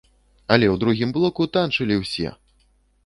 Але ў другім блоку танчылі ўсе!